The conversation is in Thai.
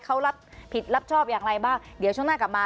เขารับผิดรับชอบอย่างไรบ้างเดี๋ยวช่วงหน้ากลับมา